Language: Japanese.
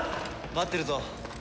待ってるぞ。